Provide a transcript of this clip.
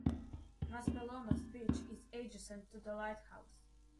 Maspalomas beach is adjacent to the lighthouse.